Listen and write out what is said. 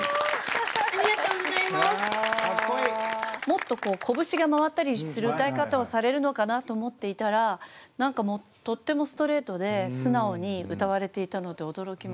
もっとこぶしが回ったりする歌い方をされるのかなと思っていたら何かもうとってもストレートで素直に歌われていたので驚きました。